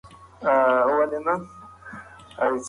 هغه ځوان په ډېر شوق سره د انجنیرۍ په پوهنځي کې درس لولي.